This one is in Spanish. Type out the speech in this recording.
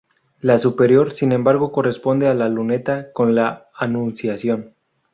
La superior, sin embargo, corresponde a la luneta, con la Anunciación.